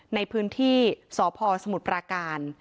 ในพื้นที่สพสมุทรปราการ